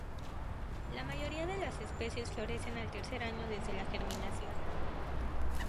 La mayoría de las especies florecen al tercer año desde la germinación.